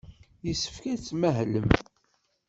Yessefk ad tmahlem.